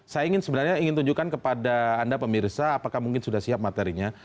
saya ingin sebenarnya ingin tunjukkan kepada anda pemirsa apakah mungkin sudah siap materinya